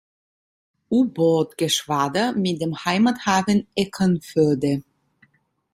Ubootgeschwader mit dem Heimathafen Eckernförde.